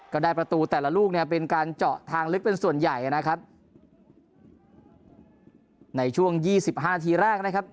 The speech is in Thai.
ก็ได้ประตูแต่ละลูกเนี่ยเป็นการเจาะทางลึกเป็นส่วนใหญ่นะครับในช่วงยี่สิบห้านาทีแรกนะครับ